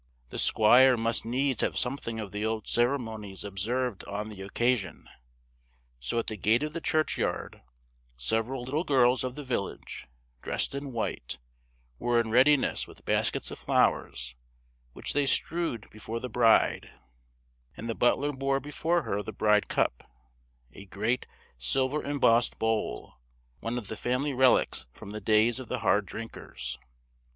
The squire must needs have something of the old ceremonies observed on the occasion; so at the gate of the churchyard, several little girls of the village, dressed in white, were in readiness with baskets of flowers, which they strewed before the bride; and the butler bore before her the bride cup, a great silver embossed bowl, one of the family reliques from the days of the hard drinkers.